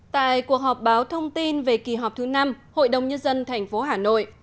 tại cuộc họp báo thông tin về kỳ họp thứ năm hội đồng nhân dân tp hà nội